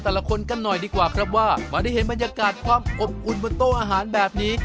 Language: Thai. แต่ละคนกันหน่อยดีกว่าครับว่ามาได้เห็นบรรยากาศความอบอุ่นบนโต๊ะอาหารแบบนี้